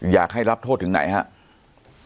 อยากให้รับโทษถึงไหนครับ